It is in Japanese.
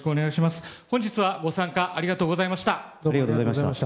本日はご参加ありがとうございました。